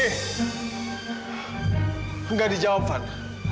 enggak dijawab van